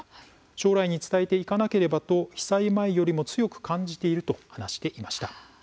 将来に伝えていかなければと被災前よりも強く感じていると話していました。